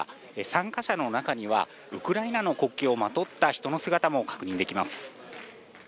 参加者の中には、ウクライナの国旗をまとった人の姿も確認できます。